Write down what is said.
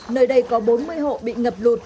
nơi đây có bốn mươi hộ bị ngập lụt